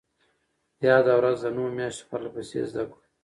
ياده ورځ د نهو مياشتو پرلهپسې زدهکړو